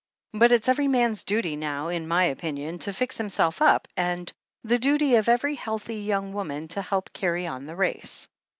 But it's every man's duty now, in my opinion, to fix himself up, and the duty of every healthy yoimg woman to help carry on the race.